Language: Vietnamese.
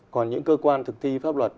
còn những cơ quan thực thi pháp luật